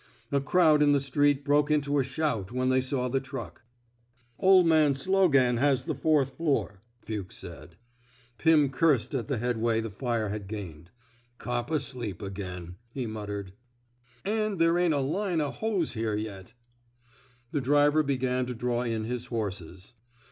A crowd in the street broke into a shout when they saw the truck. *^ 01' man Slogan has the fourth floor," Fuchs feaid. Pirn cursed at the headway the fire had gained. Cop asleep again," he muttered. An' there ain't a line of hose here yet." The driver began to draw in his horses.